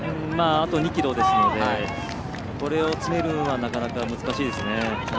あと２ｋｍですのでこれを詰めるのはなかなか難しいですね。